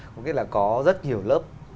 có nghĩa là có rất nhiều lớp